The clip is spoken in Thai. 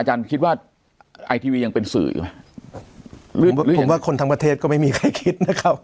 อาจารย์คิดว่าไอทีวียังเป็นสื่อหรือเปล่าผมว่าคนทางประเทศก็ไม่มีใครคิดนะครับ